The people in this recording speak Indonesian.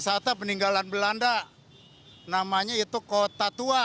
wisata peninggalan belanda namanya itu kota tua